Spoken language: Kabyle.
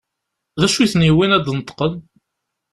D acu i ten-yewwin ad d-neṭqen?